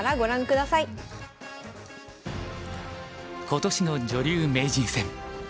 今年の女流名人戦。